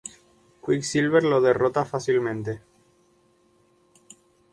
Quicksilver lo derrota fácilmente.